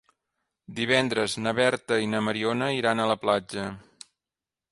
Divendres na Berta i na Mariona iran a la platja.